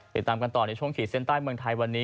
ติดตามกันต่อในช่วงขีดเส้นใต้เมืองไทยวันนี้